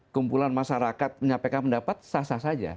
kumpulan masyarakat menyampaikan pendapat sah sah saja